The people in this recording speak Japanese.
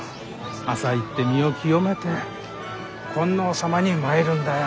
朝行って身を清めて金王様に参るんだよ。